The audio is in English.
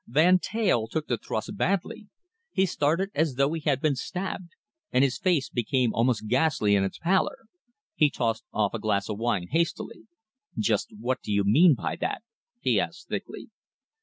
Van Teyl took the thrust badly. He started as though he had been stabbed, and his face became almost ghastly in its pallor. He tossed off a glass of wine hastily. "Just what do you mean by that?" he asked thickly.